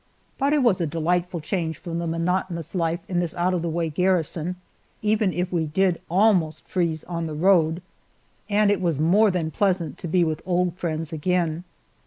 But it was a delightful change from the monotonous life in this out of the way garrison, even if we did almost freeze on the road, and it was more than pleasant to be with old friends again.